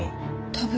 多分。